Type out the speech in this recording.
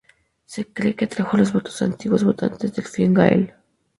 Se cree que atrajo los votos de antiguos votantes del Fine Gael.